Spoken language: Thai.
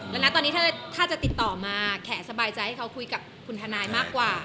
ดังนั้นตอนนี้ถ้าจะติดต่อมาแขสบายใจให้เขาคุยกับคุณทนายมากกว่า